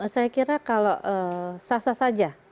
saya kira kalau sah sah saja